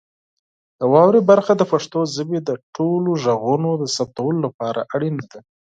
د واورئ برخه د پښتو ژبې د ټولو غږونو د ثبتولو لپاره اړینه ده.